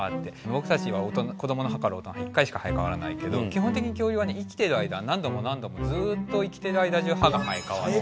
ぼくたちは子どもの歯から大人は一回しか生えかわらないけど基本的に恐竜はね生きてる間は何度も何度もずっと生きてる間中歯が生えかわる。